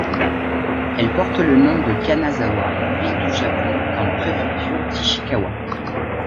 Elle porte le nom de Kanazawa, ville du Japon, dans la préfecture d'Ishikawa.